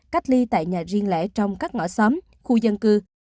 cách ly tại nhà riêng lẻ trong các ngõ xóm khu dân cư